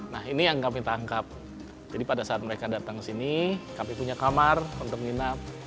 nah ini yang kami tangkap jadi pada saat mereka datang ke sini kami punya kamar untuk menginap